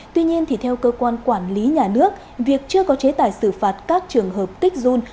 tuy nhiên thì theo cơ quan quản lý nhà nước việc chưa có chế tài xử phạt các trường hợp kích run